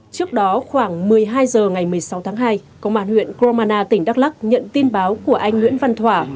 trước đó khoảng một mươi hai giờ ngày một mươi sáu tháng hai công an huyện cơ đông an na tỉnh đắk lóc nhận tin báo của anh nguyễn văn thỏa